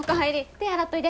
手洗っといで。